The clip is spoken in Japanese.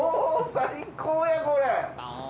最高やこれ。